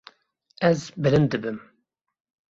Ez bilind dibim.